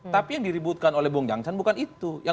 tapi yang diributkan oleh bong jangsan bukan itu